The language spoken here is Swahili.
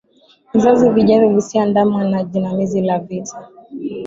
izazi vijavyo visiandamwe na jinamizi la vita